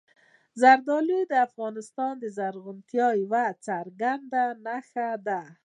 زردالو د افغانستان د زرغونتیا یوه څرګنده نښه ده.